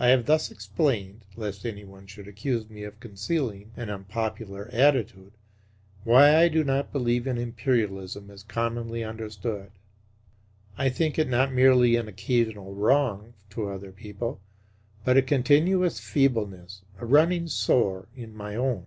I have thus explained, lest anyone should accuse me of concealing an unpopular attitude, why I do not believe in Imperialism as commonly understood. I think it not merely an occasional wrong to other peoples, but a continuous feebleness, a running sore, in my own.